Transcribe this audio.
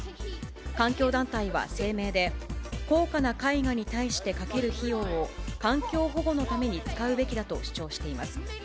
環境団体は声明で、高価な絵画に対してかける費用を環境保護のために使うべきだと主張しています。